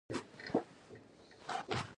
د دې کتاب په لوستو مې فکر وکړ.